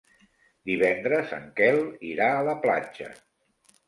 Divendres en Quel irà a la platja.